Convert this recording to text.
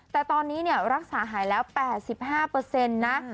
แต่ตอนนี้รักษาหายแล้ว๘๕นะ